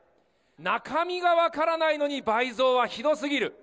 中身が分からないのに、倍増はひどすぎる。